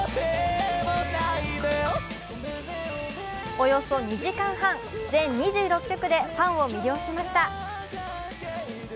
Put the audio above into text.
およそ２時間半、全２６曲でファンを魅了しました。